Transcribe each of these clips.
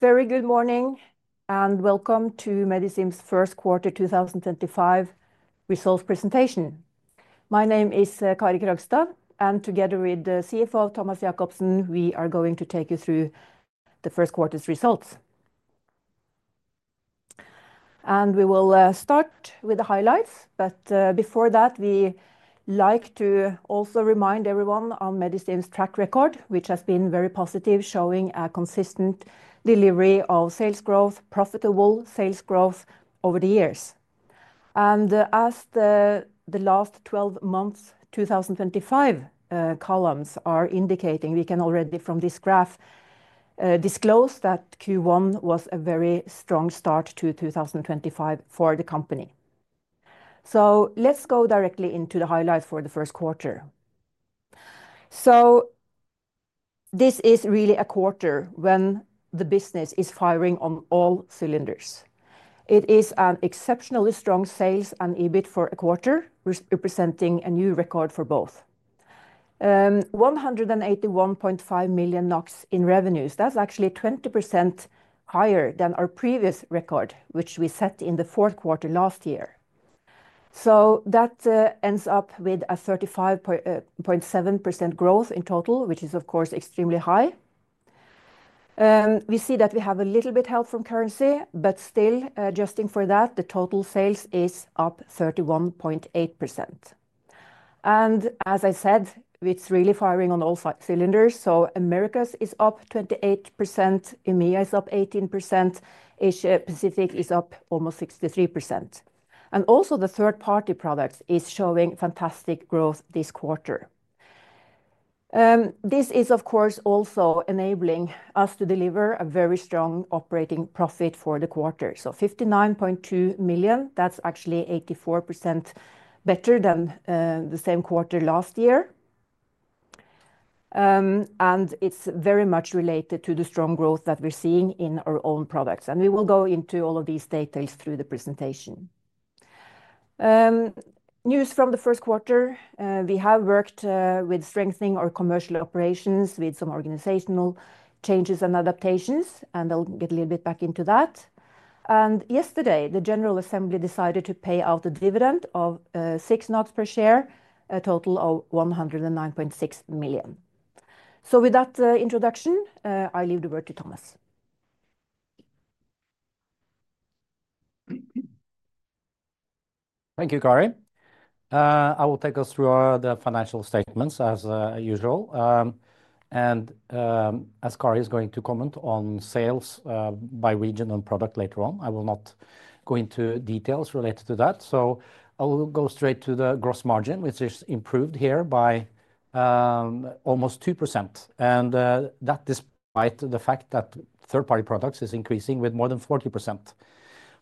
Very good morning and welcome to Medistim's First Quarter 2025 Results Presentation. My name is Kari Krogstad, and together with CFO Thomas Jakobsen, we are going to take you through the first quarter's results. We will start with the highlights, but before that, we like to also remind everyone on Medistim's track record, which has been very positive, showing a consistent delivery of sales growth, profitable sales growth over the years. As the last 12 months, 2025 columns are indicating, we can already from this graph disclose that Q1 was a very strong start to 2025 for the company. Let's go directly into the highlights for the first quarter. This is really a quarter when the business is firing on all cylinders. It is an exceptionally strong sales and EBIT for a quarter, representing a new record for both. 181.5 million NOK in revenues. That's actually 20% higher than our previous record, which we set in the fourth quarter last year. That ends up with a 35.7% growth in total, which is of course extremely high. We see that we have a little bit of help from currency, but still, adjusting for that, the total sales is up 31.8%. As I said, it's really firing on all cylinders. Americas is up 28%, EMEA is up 18%, Asia Pacific is up almost 63%. Also, the third-party products is showing fantastic growth this quarter. This is of course also enabling us to deliver a very strong operating profit for the quarter. $59.2 million, that's actually 84% better than the same quarter last year. It's very much related to the strong growth that we're seeing in our own products. We will go into all of these details through the presentation. News from the first quarter. We have worked with strengthening our commercial operations with some organizational changes and adaptations, and I'll get a little bit back into that. Yesterday, the General Assembly decided to pay out the dividend of 6 per share, a total of 109.6 million. With that introduction, I leave the word to Thomas. Thank you, Kari. I will take us through the financial statements as usual. As Kari is going to comment on sales by region and product later on, I will not go into details related to that. I will go straight to the gross margin, which is improved here by almost 2%. That is despite the fact that third-party products is increasing with more than 40%.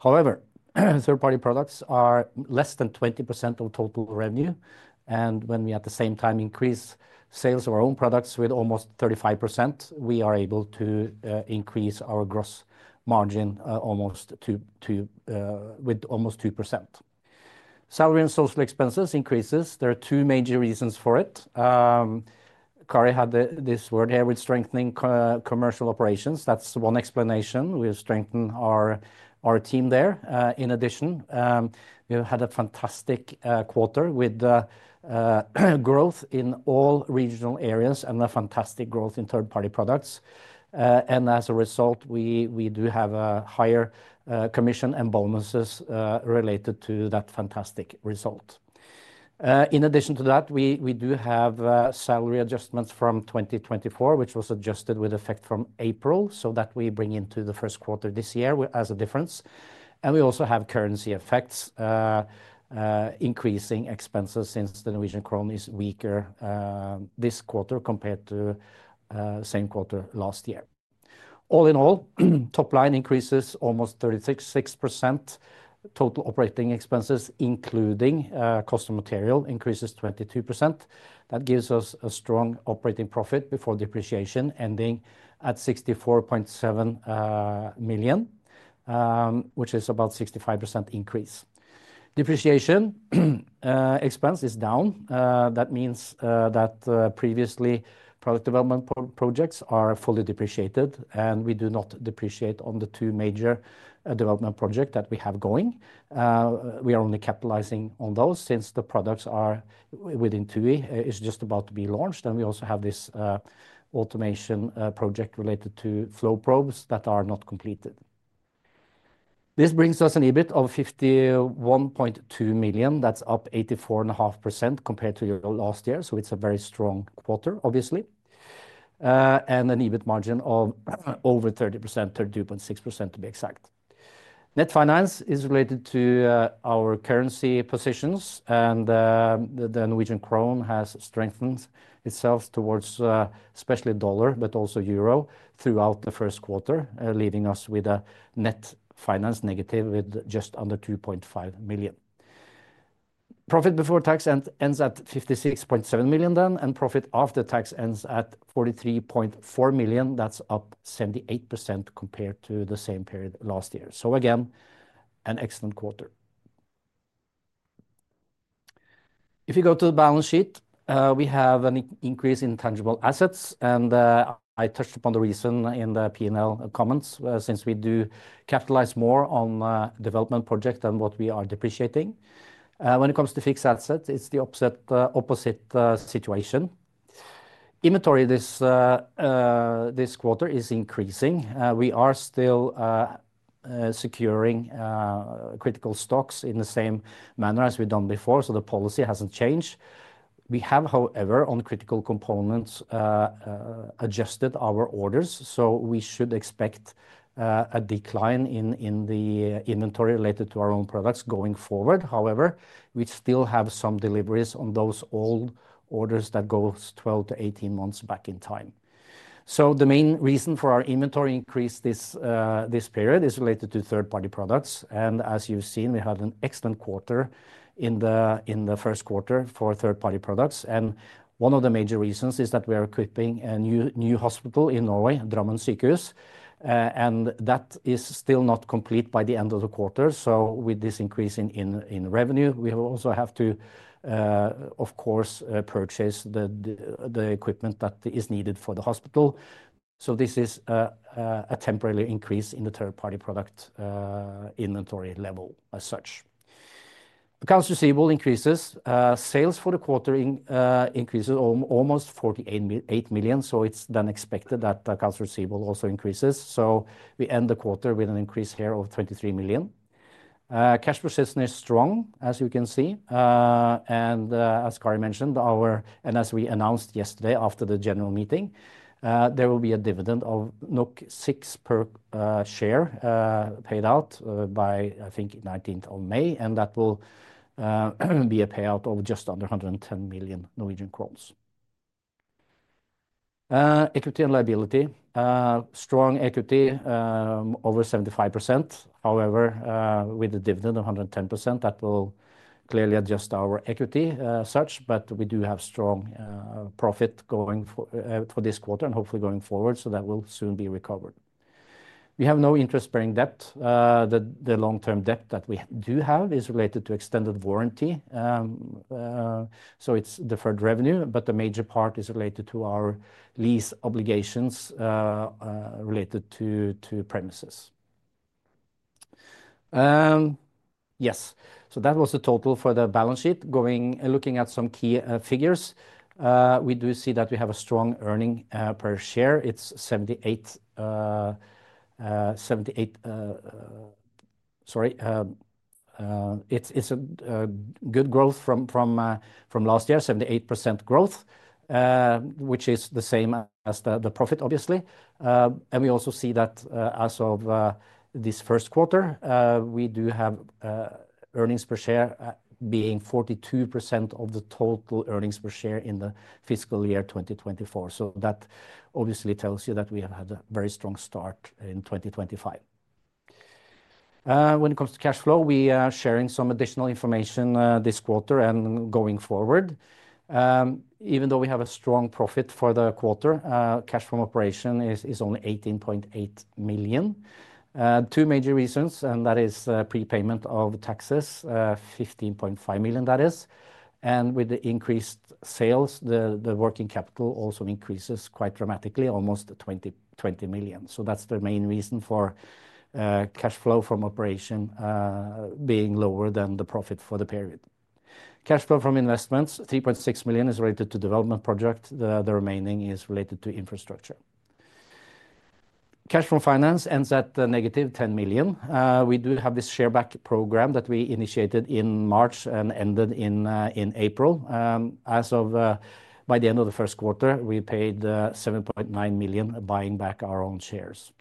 However, third-party products are less than 20% of total revenue. When we at the same time increase sales of our own products with almost 35%, we are able to increase our gross margin with almost 2%. Salary and social expenses increases. There are two major reasons for it. Kari had this word here with strengthening commercial operations. That is one explanation. We strengthen our team there. In addition, we had a fantastic quarter with growth in all regional areas and a fantastic growth in third-party products. As a result, we do have a higher commission and bonuses related to that fantastic result. In addition to that, we do have salary adjustments from 2024, which was adjusted with effect from April, so that we bring into the first quarter this year as a difference. We also have currency effects, increasing expenses since the Norwegian Krone is weaker this quarter compared to the same quarter last year. All in all, top line increases almost 36%. Total operating expenses, including custom material, increases 22%. That gives us a strong operating profit before depreciation ending at 64.7 million, which is about 65% increase. Depreciation expense is down. That means that previously product development projects are fully depreciated, and we do not depreciate on the two major development projects that we have going. We are only capitalizing on those since the products are with INTUI, it's just about to be launched. We also have this automation project related to flow probes that are not completed. This brings us an EBIT of 51.2 million. That's up 84.5% compared to last year. It's a very strong quarter, obviously. An EBIT margin of over 30%, 32.6% to be exact. Net finance is related to our currency positions, and the Norwegian Krone has strengthened itself towards especially dollar, but also euro throughout the first quarter, leaving us with a net finance negative with just under 2.5 million. Profit before tax ends at 56.7 million then, and profit after tax ends at 43.4 million. That's up 78% compared to the same period last year. Again, an excellent quarter. If you go to the balance sheet, we have an increase in tangible assets, and I touched upon the reason in the P&L comments since we do capitalize more on development projects than what we are depreciating. When it comes to fixed assets, it's the opposite situation. Inventory this quarter is increasing. We are still securing critical stocks in the same manner as we've done before, so the policy hasn't changed. We have, however, on critical components adjusted our orders, so we should expect a decline in the inventory related to our own products going forward. However, we still have some deliveries on those old orders that go 12-18 months back in time. The main reason for our inventory increase this period is related to third-party products. As you have seen, we had an excellent quarter in the first quarter for third-party products. One of the major reasons is that we are equipping a new hospital in Norway, Drammen Sykehus. That is still not complete by the end of the quarter. With this increase in revenue, we also have to, of course, purchase the equipment that is needed for the hospital. This is a temporary increase in the third-party product inventory level as such. Accounts receivable increases. Sales for the quarter increase almost 48 million, so it is then expected that accounts receivable also increases. We end the quarter with an increase here of 23 million. Cash position is strong, as you can see. As Kari mentioned, and as we announced yesterday after the general meeting, there will be a dividend of 6 per share paid out by, I think, 19th of May. That will be a payout of just under 110 million Norwegian crowns. Equity and liability. Strong equity over 75%. However, with a dividend of 110%, that will clearly adjust our equity search, but we do have strong profit going for this quarter and hopefully going forward, so that will soon be recovered. We have no interest-bearing debt. The long-term debt that we do have is related to extended warranty. It is deferred revenue, but the major part is related to our lease obligations related to premises. Yes, that was the total for the balance sheet. Going looking at some key figures, we do see that we have a strong earning per share. It's 78, sorry, it's a good growth from last year, 78% growth, which is the same as the profit, obviously. We also see that as of this first quarter, we do have earnings per share being 42% of the total earnings per share in the fiscal year 2024. That obviously tells you that we have had a very strong start in 2025. When it comes to cash flow, we are sharing some additional information this quarter and going forward. Even though we have a strong profit for the quarter, cash from operation is only 18.8 million. Two major reasons, and that is prepayment of taxes, 15.5 million, that is. With the increased sales, the working capital also increases quite dramatically, almost 20 million. That's the main reason for cash flow from operation being lower than the profit for the period. Cash flow from investments, 3.6 million is related to development projects. The remaining is related to infrastructure. Cash from finance ends at negative 10 million. We do have this share back program that we initiated in March and ended in April. As of by the end of the first quarter, we paid 7.9 million buying back our own shares.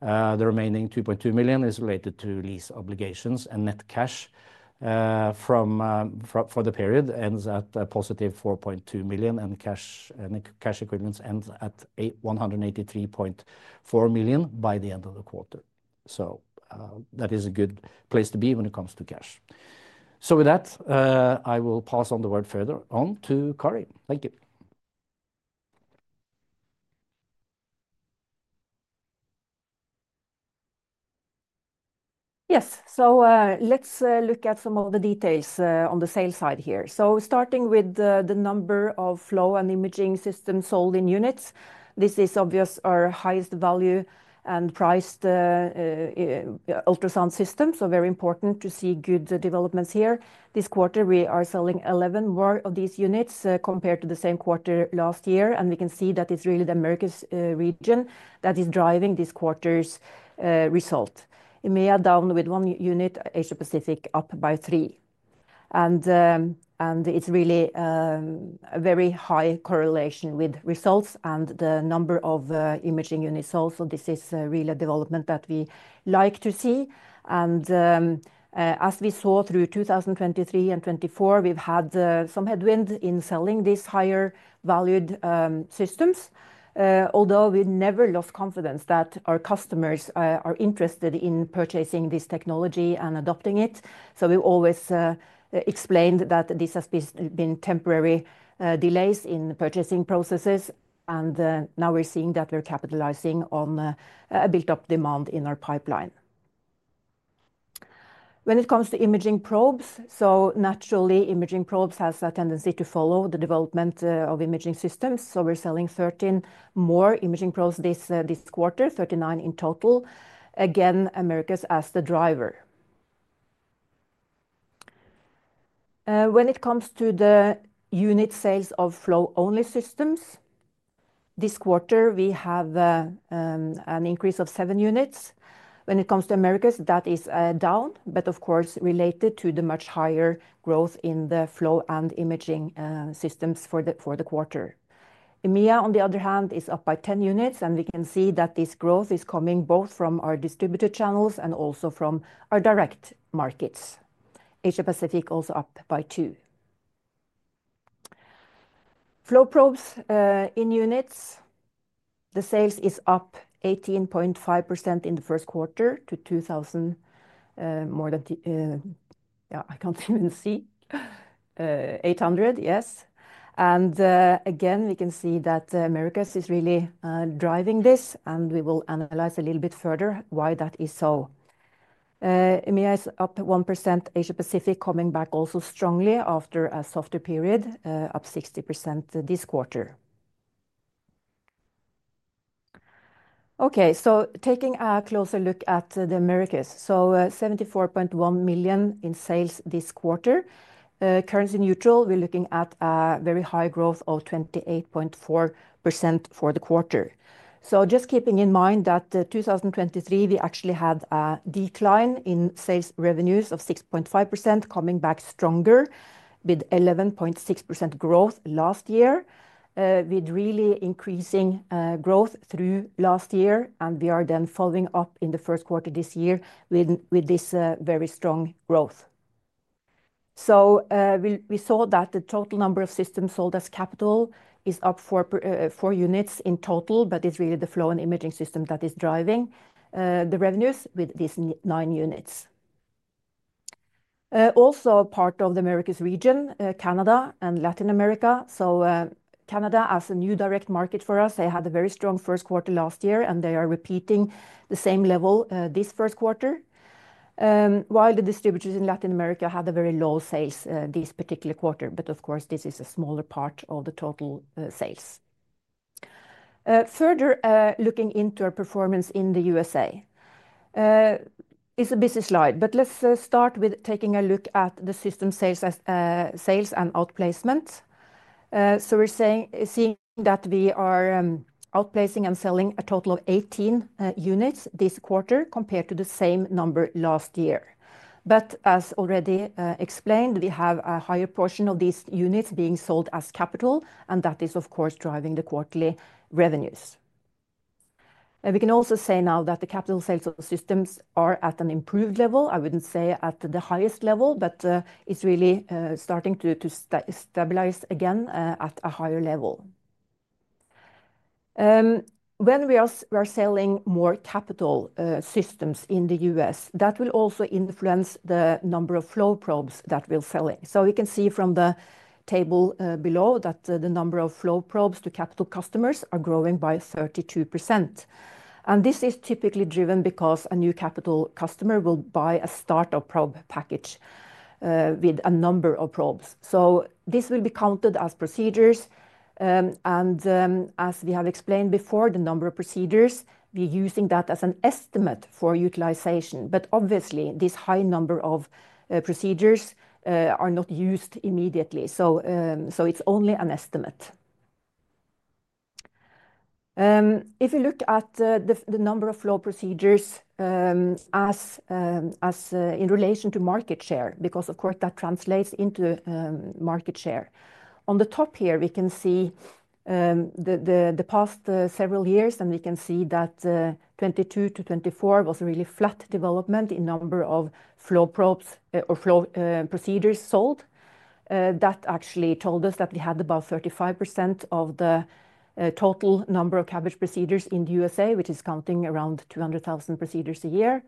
The remaining 2.2 million is related to lease obligations and net cash from for the period ends at positive 4.2 million and cash equivalents end at 183.4 million by the end of the quarter. That is a good place to be when it comes to cash. With that, I will pass on the word further on to Kari. Thank you. Yes, so let's look at some of the details on the sales side here. Starting with the number of flow and imaging systems sold in units. This is obviously our highest value and priced ultrasound system, so very important to see good developments here. This quarter, we are selling 11 more of these units compared to the same quarter last year, and we can see that it's really the Americas region that is driving this quarter's result. EMEA down with one unit, Asia Pacific up by three. It's really a very high correlation with results and the number of imaging units sold. This is really a development that we like to see. As we saw through 2023 and 2024, we've had some headwinds in selling these higher valued systems, although we never lost confidence that our customers are interested in purchasing this technology and adopting it. We've always explained that these have been temporary delays in purchasing processes, and now we're seeing that we're capitalizing on a built-up demand in our pipeline. When it comes to imaging probes, imaging probes have a tendency to follow the development of imaging systems. We're selling 13 more imaging probes this quarter, 39 in total. Again, Americas as the driver. When it comes to the unit sales of flow-only systems, this quarter we have an increase of seven units. When it comes to Americas, that is down, but of course related to the much higher growth in the flow-and-imaging systems for the quarter. EMEA, on the other hand, is up by 10 units, and we can see that this growth is coming both from our distributed channels and also from our direct markets. Asia Pacific also up by two. Flow probes in units, the sales is up 18.5% in the first quarter to 2,000, more than, yeah, I can't even see, 800, yes. Again, we can see that Americas is really driving this, and we will analyze a little bit further why that is so. EMEA is up 1%, Asia Pacific coming back also strongly after a softer period, up 60% this quarter. Okay, taking a closer look at the Americas, $74.1 million in sales this quarter. Currency neutral, we're looking at a very high growth of 28.4% for the quarter. Just keeping in mind that 2023, we actually had a decline in sales revenues of 6.5%, coming back stronger with 11.6% growth last year with really increasing growth through last year. We are then following up in the first quarter this year with this very strong growth. We saw that the total number of systems sold as capital is up four units in total, but it is really the flow and imaging system that is driving the revenues with these nine units. Also part of the Americas region, Canada and Latin America. Canada as a new direct market for us had a very strong first quarter last year, and they are repeating the same level this first quarter. While the distributors in Latin America had very low sales this particular quarter, of course this is a smaller part of the total sales. Further looking into our performance in the U.S., it is a busy slide, but let's start with taking a look at the system sales and outplacement. We are seeing that we are outplacing and selling a total of 18 units this quarter compared to the same number last year. As already explained, we have a higher portion of these units being sold as capital, and that is of course driving the quarterly revenues. We can also say now that the capital sales of systems are at an improved level. I would not say at the highest level, but it is really starting to stabilize again at a higher level. When we are selling more capital systems in the U.S., that will also influence the number of flow probes that we are selling. We can see from the table below that the number of flow probes to capital customers are growing by 32%. This is typically driven because a new capital customer will buy a startup probe package with a number of probes. This will be counted as procedures. As we have explained before, the number of procedures, we are using that as an estimate for utilization. Obviously, this high number of procedures are not used immediately. It is only an estimate. If you look at the number of flow procedures as in relation to market share, because of course that translates into market share. On the top here, we can see the past several years, and we can see that 2022-2024 was a really flat development in number of flow probes or flow procedures sold. That actually told us that we had about 35% of the total number of CABG procedures in the U.S.A., which is counting around 200,000 procedures a year.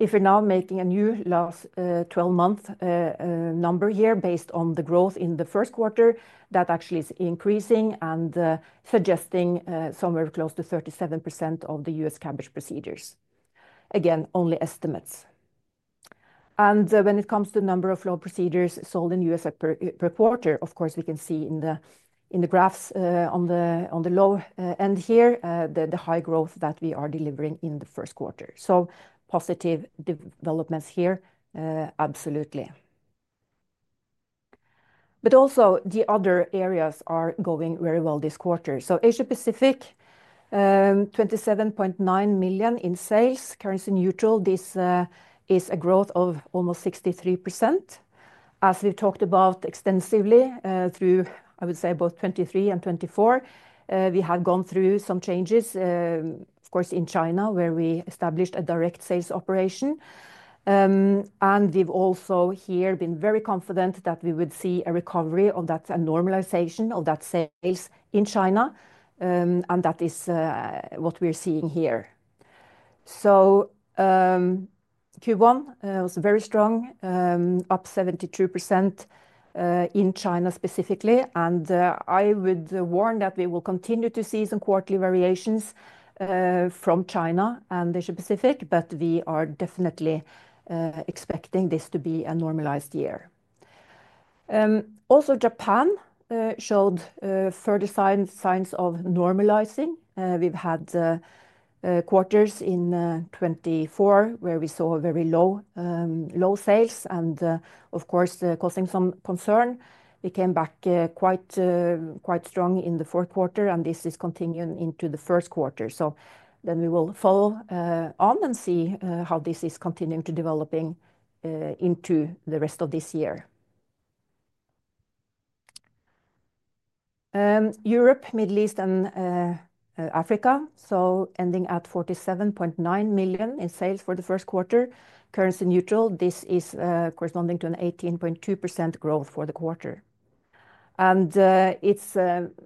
If we are now making a new last 12-month number here based on the growth in the first quarter, that actually is increasing and suggesting somewhere close to 37% of the U.S. CABG procedures. Again, only estimates. When it comes to the number of flow procedures sold in the U.S. per quarter, of course we can see in the graphs on the low end here, the high growth that we are delivering in the first quarter. Positive developments here, absolutely. Also, the other areas are going very well this quarter. Asia Pacific, 27.9 million in sales, currency neutral, this is a growth of almost 63%. As we have talked about extensively through, I would say, both 2023 and 2024, we have gone through some changes, of course, in China where we established a direct sales operation. We have also here been very confident that we would see a recovery of that and normalization of that sales in China. That is what we are seeing here. Q1 was very strong, up 72% in China specifically. I would warn that we will continue to see some quarterly variations from China and Asia Pacific, but we are definitely expecting this to be a normalized year. Also, Japan showed further signs of normalizing. We have had quarters in 2024 where we saw very low sales, and of course, causing some concern. We came back quite strong in the fourth quarter, and this is continuing into the first quarter. We will follow on and see how this is continuing to develop into the rest of this year. Europe, Middle East, and Africa, ending at 47.9 million in sales for the first quarter, currency neutral, this is corresponding to an 18.2% growth for the quarter. It is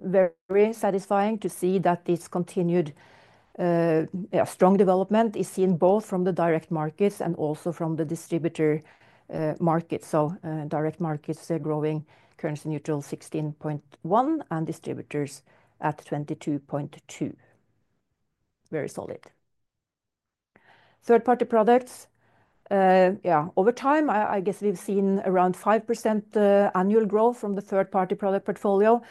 very satisfying to see that this continued strong development is seen both from the direct markets and also from the distributor markets. Direct markets are growing, currency neutral 16.1 and distributors at 22.2. Very solid. Third-party products, yeah, over time, I guess we've seen around 5% annual growth from the third-party product portfolio.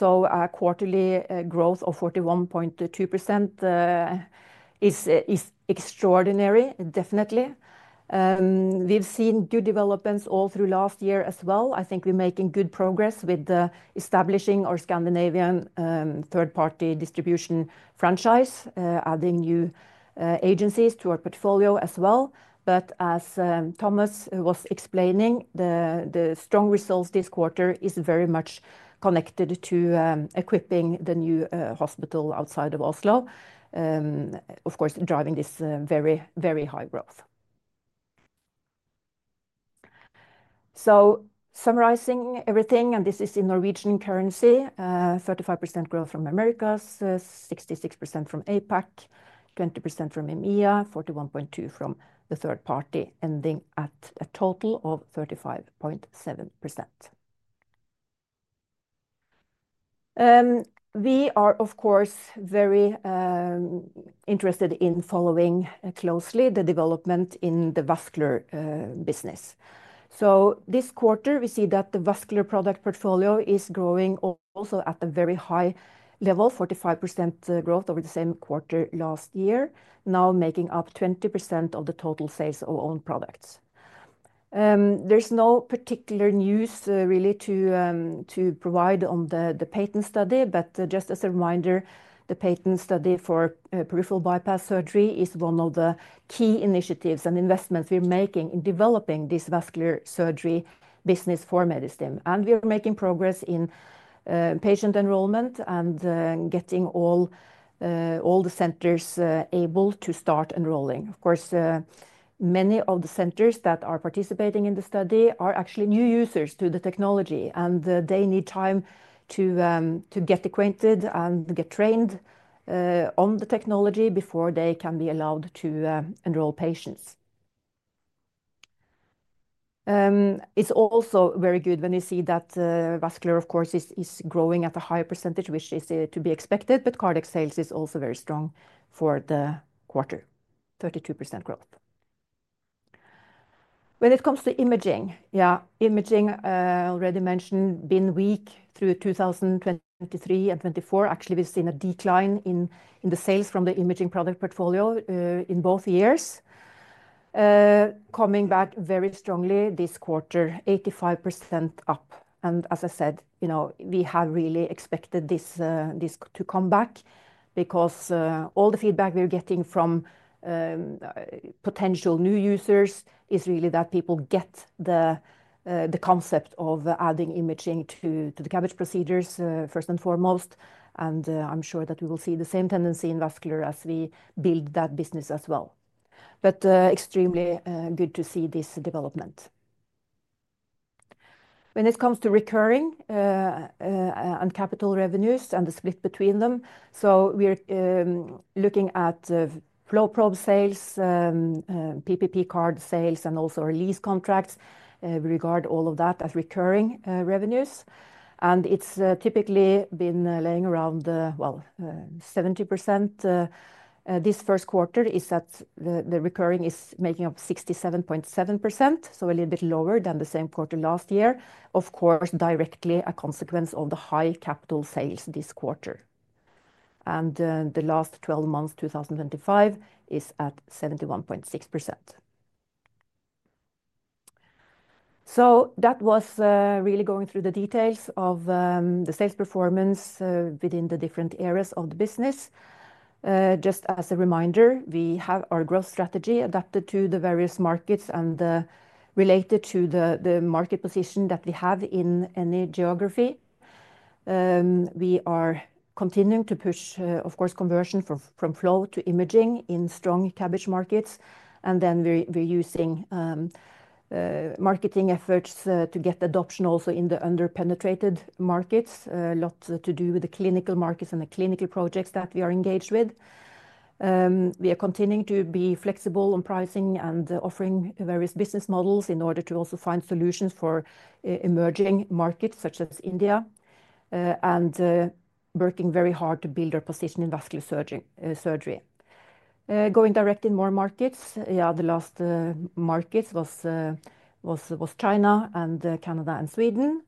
A quarterly growth of 41.2% is extraordinary, definitely. We've seen good developments all through last year as well. I think we're making good progress with establishing our Scandinavian third-party distribution franchise, adding new agencies to our portfolio as well. As Thomas was explaining, the strong results this quarter are very much connected to equipping the new hospital outside of Oslo, of course, driving this very, very high growth. Summarizing everything, and this is in NOK, 35% growth from Americas, 66% from Asia Pacific, 20% from EMEA, 41.2% from the third party, ending at a total of 35.7%. We are, of course, very interested in following closely the development in the vascular business. This quarter, we see that the vascular product portfolio is growing also at a very high level, 45% growth over the same quarter last year, now making up 20% of the total sales of own products. There is no particular news really to provide on the patent study, but just as a reminder, the patent study for peripheral bypass surgery is one of the key initiatives and investments we are making in developing this vascular surgery business for Medistim. We are making progress in patient enrollment and getting all the centers able to start enrolling. Of course, many of the centers that are participating in the study are actually new users to the technology, and they need time to get acquainted and get trained on the technology before they can be allowed to enroll patients. It's also very good when you see that Vascular, of course, is growing at a higher percentage, which is to be expected, but Cardiac sales is also very strong for the quarter, 32% growth. When it comes to imaging, yeah, imaging already mentioned been weak through 2023 and 2024. Actually, we've seen a decline in the sales from the imaging product portfolio in both years. Coming back very strongly this quarter, 85% up. As I said, you know, we have really expected this to come back because all the feedback we're getting from potential new users is really that people get the concept of adding imaging to the CABG procedures first and foremost. I'm sure that we will see the same tendency in Vascular as we build that business as well. Extremely good to see this development. When it comes to recurring and capital revenues and the split between them, we are looking at flow probe sales, PPP cards sales, and also release contracts. We regard all of that as recurring revenues. It has typically been laying around, well, 70%. This first quarter, the recurring is making up 67.7%, so a little bit lower than the same quarter last year, of course, directly a consequence of the high capital sales this quarter. The last 12 months, 2025, is at 71.6%. That was really going through the details of the sales performance within the different areas of the business. Just as a reminder, we have our growth strategy adapted to the various markets and related to the market position that we have in any geography. We are continuing to push, of course, conversion from flow to imaging in strong CABG markets. We're using marketing efforts to get adoption also in the under-penetrated markets, a lot to do with the clinical markets and the clinical projects that we are engaged with. We are continuing to be flexible on pricing and offering various business models in order to also find solutions for emerging markets such as India. We are working very hard to build our position in vascular surgery. Going direct in more markets, yeah, the last markets were China, Canada, and Sweden.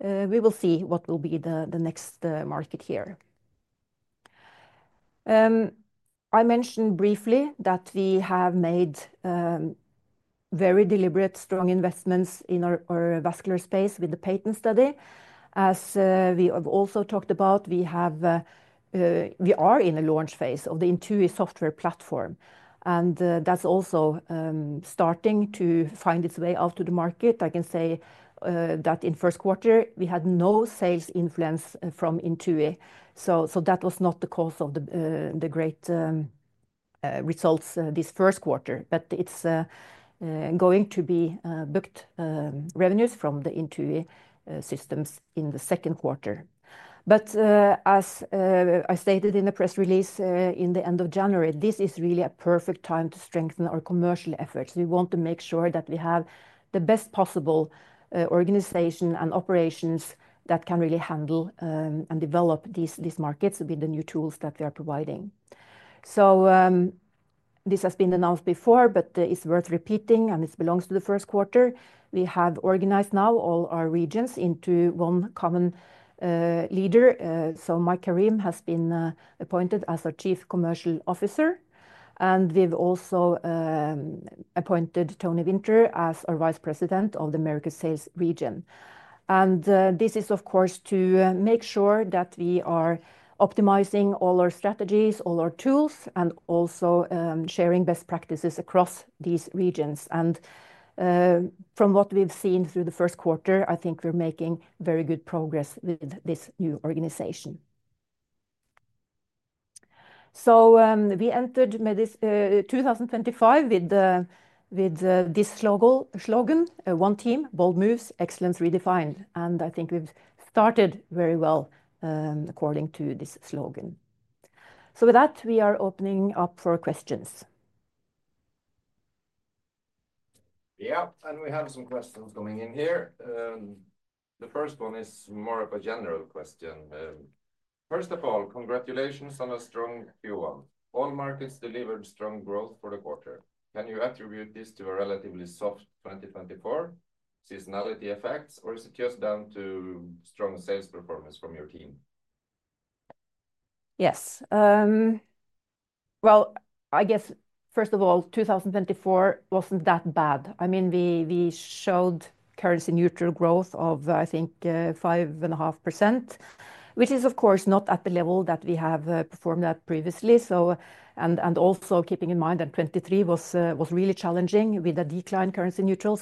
We will see what will be the next market here. I mentioned briefly that we have made very deliberate strong investments in our vascular space with the patent study. As we have also talked about, we are in a launch phase of the INTUI software platform. That's also starting to find its way out to the market. I can say that in first quarter, we had no sales influence from INTUI. That was not the cause of the great results this first quarter, but it is going to be booked revenues from the INTUI systems in the second quarter. As I stated in the press release in the end of January, this is really a perfect time to strengthen our commercial efforts. We want to make sure that we have the best possible organization and operations that can really handle and develop these markets with the new tools that we are providing. This has been announced before, but it is worth repeating and it belongs to the first quarter. We have organized now all our regions into one common leader. Mike Karim has been appointed as our Chief Commercial Officer. We have also appointed Tony Winter as our Vice President of the Americas Sales region. This is, of course, to make sure that we are optimizing all our strategies, all our tools, and also sharing best practices across these regions. From what we've seen through the first quarter, I think we're making very good progress with this new organization. We entered 2025 with this slogan, "One team, bold moves, excellence redefined." I think we've started very well according to this slogan. With that, we are opening up for questions. Yeah, and we have some questions coming in here. The first one is more of a general question. First of all, congratulations on a strong Q1. All markets delivered strong growth for the quarter. Can you attribute this to a relatively soft 2024, seasonality effects, or is it just down to strong sales performance from your team? Yes. I guess, first of all, 2024 was not that bad. I mean, we showed currency neutral growth of, I think, 5.5%, which is, of course, not at the level that we have performed at previously. Also keeping in mind that 2023 was really challenging with a decline in currency neutral.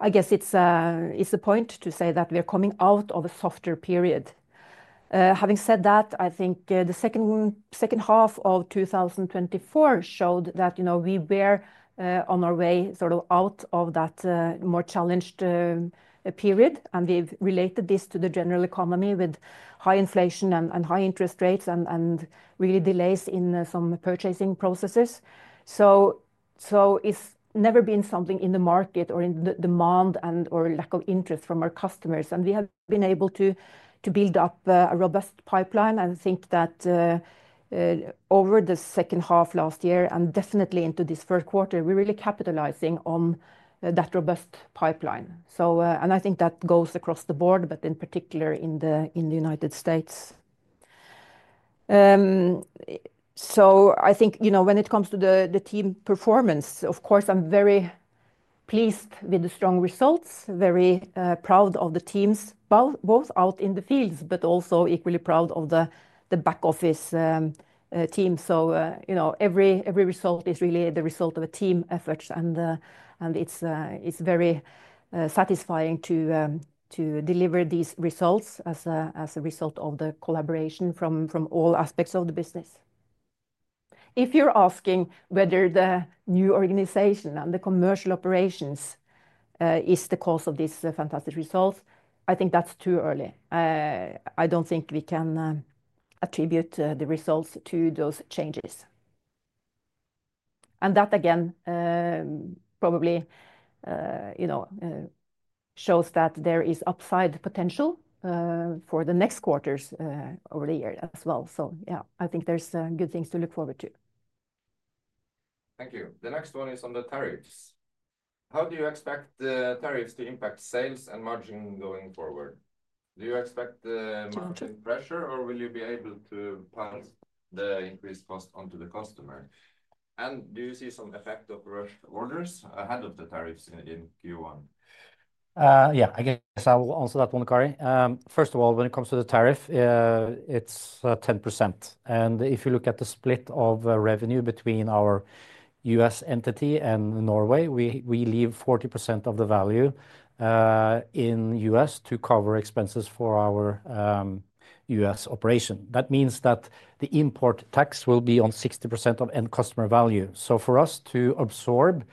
I guess it's a point to say that we're coming out of a softer period. Having said that, I think the second half of 2024 showed that we were on our way sort of out of that more challenged period. We've related this to the general economy with high inflation and high interest rates and really delays in some purchasing processes. It's never been something in the market or in the demand and/or lack of interest from our customers. We have been able to build up a robust pipeline and think that over the second half last year and definitely into this first quarter, we're really capitalizing on that robust pipeline. I think that goes across the board, but in particular in the United States. I think when it comes to the team performance, of course, I'm very pleased with the strong results, very proud of the teams both out in the fields, but also equally proud of the back office team. Every result is really the result of a team effort. It is very satisfying to deliver these results as a result of the collaboration from all aspects of the business. If you're asking whether the new organization and the commercial operations is the cause of these fantastic results, I think that's too early. I do not think we can attribute the results to those changes. That, again, probably shows that there is upside potential for the next quarters over the year as well. Yeah, I think there are good things to look forward to. Thank you. The next one is on the tariffs. How do you expect the tariffs to impact sales and margin going forward? Do you expect margin pressure, or will you be able to pass the increased cost onto the customer? Do you see some effect of rushed orders ahead of the tariffs in Q1? Yeah, I guess I will answer that one, Kari. First of all, when it comes to the tariff, it is 10%. If you look at the split of revenue between our U.S. entity and Norway, we leave 40% of the value in U.S. to cover expenses for our U.S. operation. That means that the import tax will be on 60% of end customer value. For us to absorb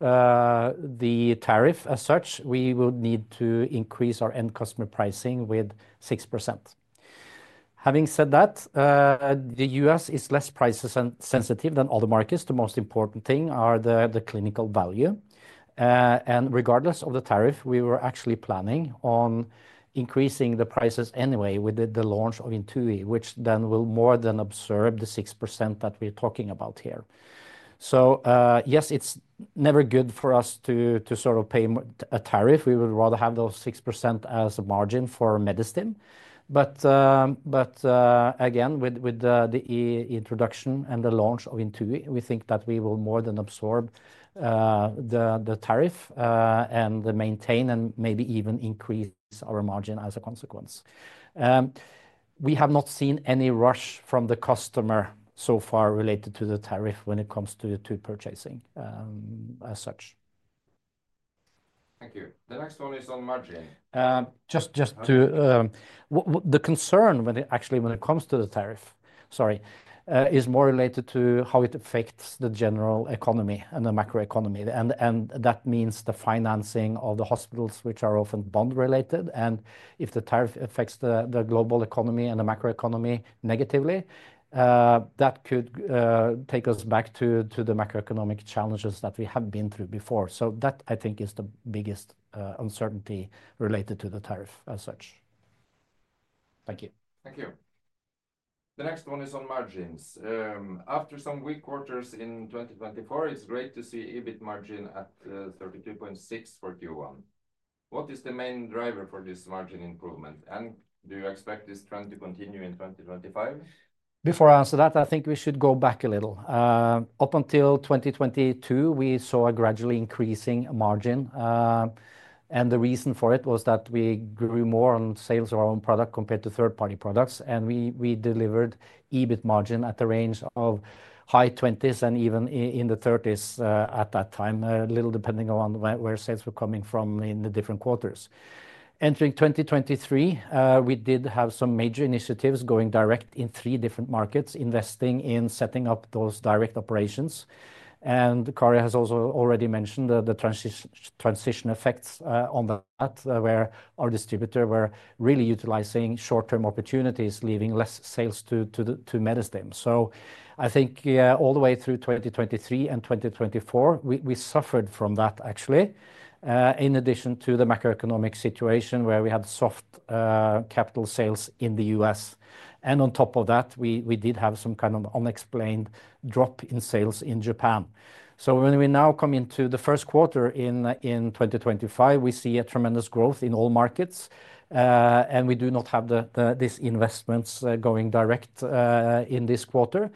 the tariff as such, we will need to increase our end customer pricing with 6%. Having said that, the U.S. is less price sensitive than other markets. The most important thing is the clinical value. Regardless of the tariff, we were actually planning on increasing the prices anyway with the launch of INTUI, which then will more than absorb the 6% that we're talking about here. Yes, it's never good for us to sort of pay a tariff. We would rather have those 6% as a margin for Medistim. Again, with the introduction and the launch of INTUI, we think that we will more than absorb the tariff and maintain and maybe even increase our margin as a consequence. We have not seen any rush from the customer so far related to the tariff when it comes to purchasing as such. Thank you. The next one is on margin. The concern when it actually when it comes to the tariff, sorry, is more related to how it affects the general economy and the macroeconomy. That means the financing of the hospitals, which are often bond-related. If the tariff affects the global economy and the macroeconomy negatively, that could take us back to the macroeconomic challenges that we have been through before. That, I think, is the biggest uncertainty related to the tariff as such. Thank you. Thank you. The next one is on margins. After some weak quarters in 2024, it's great to see EBIT margin at 32.6% for Q1. What is the main driver for this margin improvement? Do you expect this trend to continue in 2025? Before I answer that, I think we should go back a little. Up until 2022, we saw a gradually increasing margin. The reason for it was that we grew more on sales of our own product compared to third-party products. We delivered EBIT margin at the range of high 20s and even in the 30s at that time, a little depending on where sales were coming from in the different quarters. Entering 2023, we did have some major initiatives going direct in three different markets, investing in setting up those direct operations. Kari has also already mentioned the transition effects on that, where our distributor was really utilizing short-term opportunities, leaving less sales to Medistim. I think all the way through 2023 and 2024, we suffered from that, actually, in addition to the macroeconomic situation where we had soft capital sales in the U.S. In addition to that, we did have some kind of unexplained drop in sales in Japan. When we now come into the first quarter in 2025, we see a tremendous growth in all markets. We do not have these investments going direct in this quarter.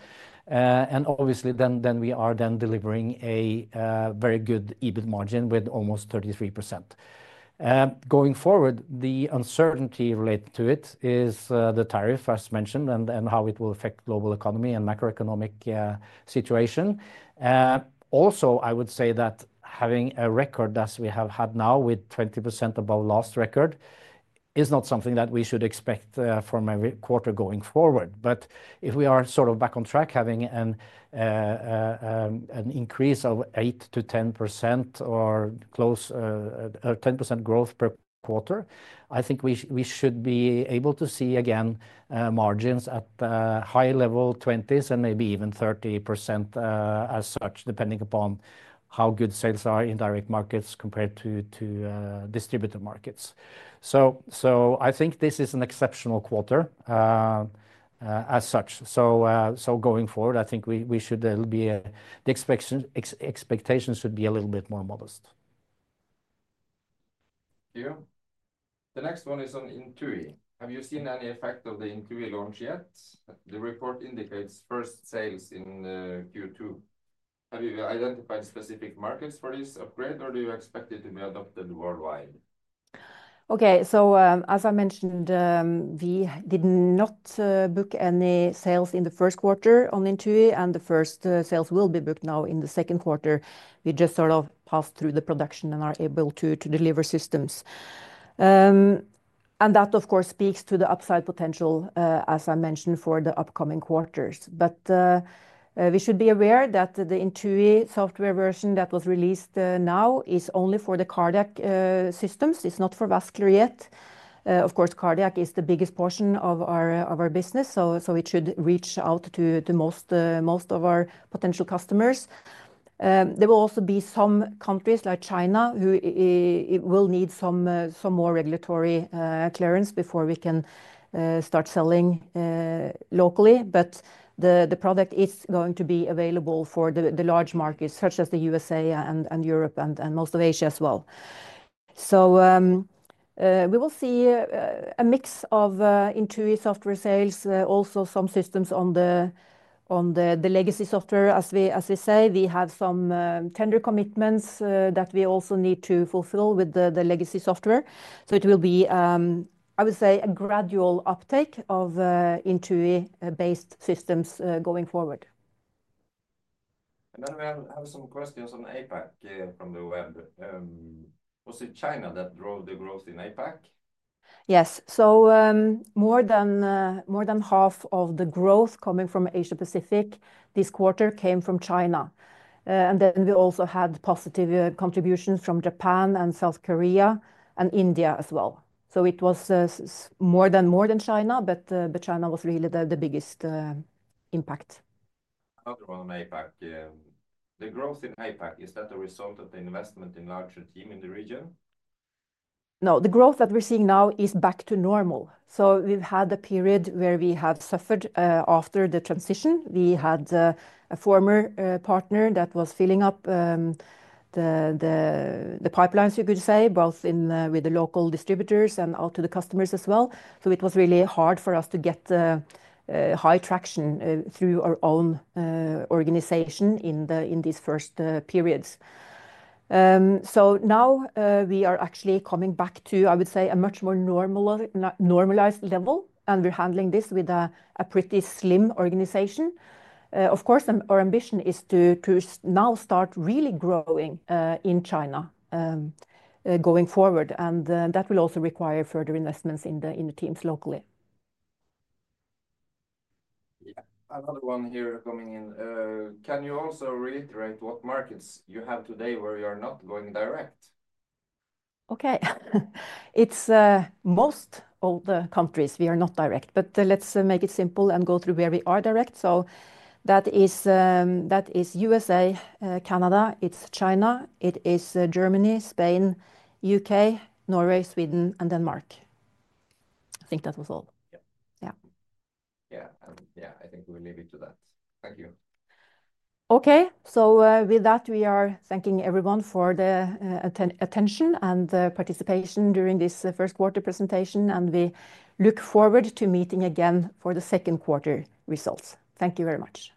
Obviously, we are then delivering a very good EBIT margin with almost 33%. Going forward, the uncertainty related to it is the tariff, as mentioned, and how it will affect the global economy and macroeconomic situation. Also, I would say that having a record as we have had now with 20% above last record is not something that we should expect from every quarter going forward. If we are sort of back on track, having an increase of 8%-10% or close to 10% growth per quarter, I think we should be able to see again margins at high-level 20s and maybe even 30% as such, depending upon how good sales are in direct markets compared to distributor markets. I think this is an exceptional quarter as such. Going forward, I think the expectations should be a little bit more modest. Thank you. The next one is on INTUI. Have you seen any effect of the INTUI launch yet? The report indicates first sales in Q2. Have you identified specific markets for this upgrade, or do you expect it to be adopted worldwide? Okay, so as I mentioned, we did not book any sales in the first quarter on INTUI, and the first sales will be booked now in the second quarter. We just sort of passed through the production and are able to deliver systems. That, of course, speaks to the upside potential, as I mentioned, for the upcoming quarters. We should be aware that the INTUI software version that was released now is only for the cardiac systems. It is not for vascular yet. Of course, Cardiac is the biggest portion of our business, so it should reach out to most of our potential customers. There will also be some countries like China who will need some more regulatory clearance before we can start selling locally. The product is going to be available for the large markets, such as the U.S.A. and Europe and most of Asia as well. We will see a mix of INTUI software sales, also some systems on the legacy software. As we say, we have some tender commitments that we also need to fulfill with the legacy software. It will be, I would say, a gradual uptake of INTUI-based systems going forward. We have some questions on APAC from the web. Was it China that drove the growth in APAC? Yes. More than half of the growth coming from Asia Pacific this quarter came from China. We also had positive contributions from Japan and South Korea and India as well. It was more than China, but China was really the biggest impact. Another one on APAC. The growth in APAC, is that a result of the investment in larger team in the region? No, the growth that we are seeing now is back to normal. We have had a period where we have suffered after the transition. We had a former partner that was filling up the pipelines, you could say, both with the local distributors and out to the customers as well. It was really hard for us to get high traction through our own organization in these first periods. Now we are actually coming back to, I would say, a much more normalized level. We are handling this with a pretty slim organization. Of course, our ambition is to now start really growing in China going forward. That will also require further investments in the teams locally. Another one here coming in. Can you also reiterate what markets you have today where you are not going direct? Okay. It is most of the countries we are not direct. Let's make it simple and go through where we are direct. That is U.S.A., Canada. It's China. It is Germany, Spain, U.K., Norway, Sweden, and Denmark. I think that was all. Yeah. Yeah. Yeah. I think we'll leave it to that. Thank you. Okay. With that, we are thanking everyone for the attention and participation during this first quarter presentation. We look forward to meeting again for the second quarter results. Thank you very much.